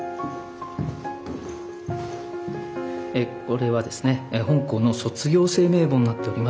これはですね本校の卒業生名簿になっております。